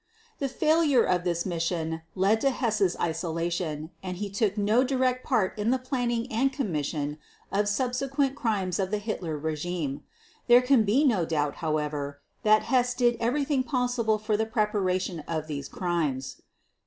The failure of this mission led to Hess's isolation and he took no direct part in the planning and commission of subsequent crimes of the Hitler regime. There can be no doubt, however, that Hess did everything possible for the preparation of these crimes.